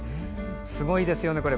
すごいですよね、これ。